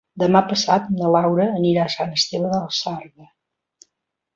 Demà passat na Laura anirà a Sant Esteve de la Sarga.